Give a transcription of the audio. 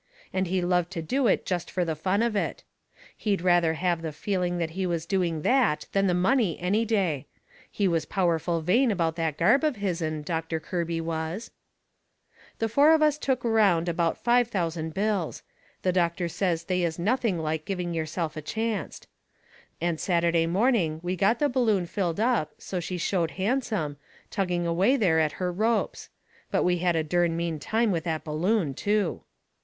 And he loved to do it jest fur the fun of it. He'd rather have the feeling he was doing that than the money any day. He was powerful vain about that gab of his'n, Doctor Kirby was. The four of us took around about five thousand bills. The doctor says they is nothing like giving yourself a chancet. And Saturday morning we got the balloon filled up so she showed handsome, tugging away there at her ropes. But we had a dern mean time with that balloon, too.